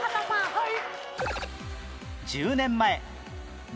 はい。